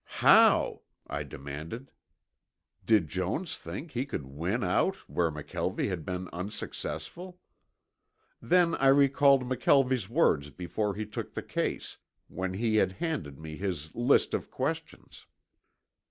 "How?" I demanded. Did Jones think he could win out where McKelvie had been unsuccessful? Then I recalled McKelvie's words before he took the case, when he had handed me his list of questions.